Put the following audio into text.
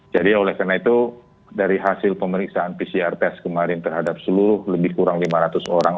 jadi oleh karena itu dari hasil pemeriksaan pcr tes kemarin terhadap seluruh lebih kurang lima ratus orang